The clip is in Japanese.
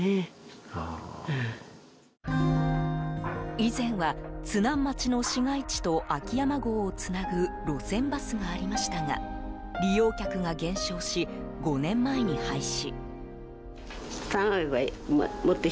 以前は、津南町の市街地と秋山郷をつなぐ路線バスがありましたが利用客が減少し、５年前に廃止。